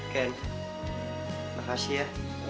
ken makasih ya